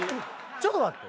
ちょっと待って。